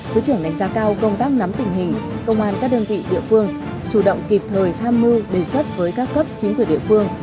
thứ trưởng đánh giá cao công tác nắm tình hình công an các đơn vị địa phương chủ động kịp thời tham mưu đề xuất với các cấp chính quyền địa phương